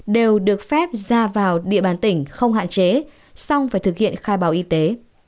đều được phép ra vào địa bàn tỉnh không hạn chế xong phải thực hiện khai báo y tế